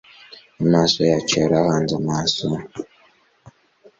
amaso yacu yarahanze amaso